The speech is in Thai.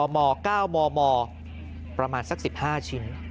ม๙มมประมาณสัก๑๕ชิ้น